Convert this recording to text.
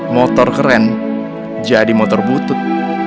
motor keren jadi motor butut